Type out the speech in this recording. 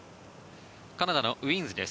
カナダのウィーンズです。